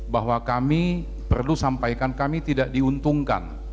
bahwa kami perlu sampaikan kami tidak diuntungkan